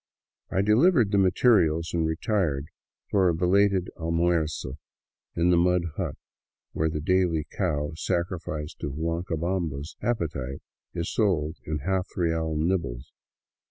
I delivered the materials and retired for a belated almuerzo in the mud hut where the daily cow sacrificed to Huancabamba's appe tite is sold in ha\i real nibbles.